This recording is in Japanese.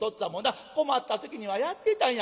困った時にはやってたんや。